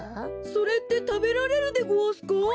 それってたべられるでごわすか？